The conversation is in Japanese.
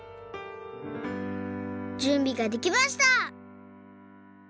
じゅんびができました！